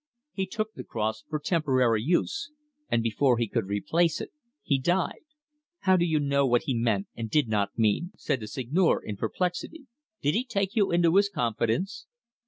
He took the cross for temporary use, and before he could replace it he died." "How do you know what he meant, or did not mean?" said the Seigneur in perplexity. "Did he take you into his confidence?"